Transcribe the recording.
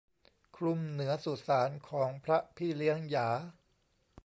คลุมเหนือสุสานของพระพี่เลี้ยงหยา